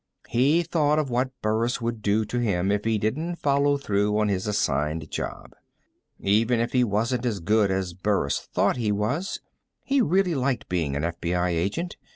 He thought of what Burris would do to him if he didn't follow through on his assigned job. Even if he wasn't as good as Burris thought he was, he really liked being an FBI agent.